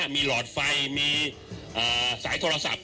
มีหลอดไฟมีสายโทรศัพท์